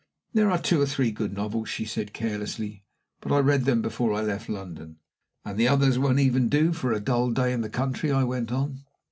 "There are two or three good novels," she said, carelessly, "but I read them before I left London." "And the others won't even do for a dull day in the country?" I went on.